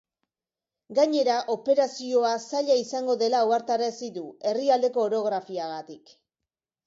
Gainera, operazioa zaila izango dela ohartarazi du, herrialdeko orografiagatik.